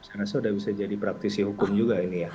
saya rasa sudah bisa jadi praktisi hukum juga ini ya